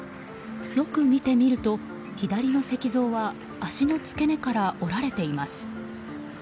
よく見てみると左の石像は足の付け根から折られています。